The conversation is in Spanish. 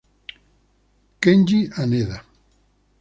Kenji Haneda